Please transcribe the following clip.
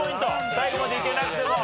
最後までいけなくても。